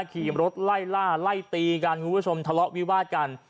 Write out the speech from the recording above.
ขี่รถไล่ล่าไล่ตีกันคุณผู้ชมทะเลาะวิวาดกัน